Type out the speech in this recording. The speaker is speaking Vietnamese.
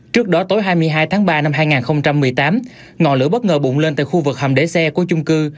trước đó tối hai mươi hai tháng ba năm hai nghìn một mươi tám ngọn lửa bất ngờ bùng lên tại khu vực hầm để xe của chung cư